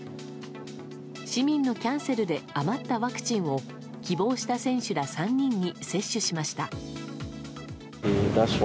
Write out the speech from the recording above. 市民のキャンセルで余ったワクチンを希望した選手ら３人に接種しました。